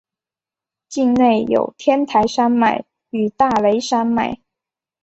境内有天台山脉与大雷山脉。